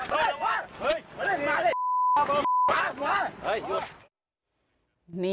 มึงรู้จักไอ้บ้าไอ้ไอ้ไอ้ไอ้